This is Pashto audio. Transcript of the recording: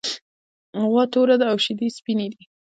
غوا توره ده او شیدې یې سپینې دي.